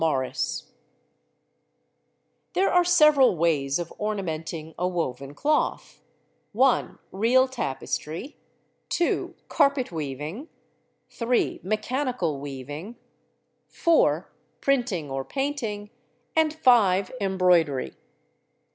TEXTILES There are several ways of ornamenting a woven cloth: (1) real tapestry, (2) carpet weaving, (3) mechanical weaving, (4) printing or painting, and (5) embroidery.